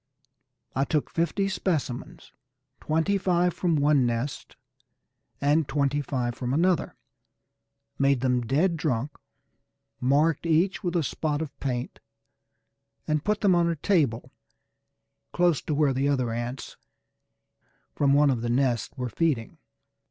I took fifty specimens, twenty five from one nest and twenty five from another, made them dead drunk, marked each with a spot of paint, and put them on a table close to where the other ants from one of the nests were feeding.